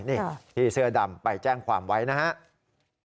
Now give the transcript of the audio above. นี่พี่เสื้อดำไปแจ้งความไว้นะครับ